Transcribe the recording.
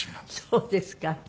そうですか。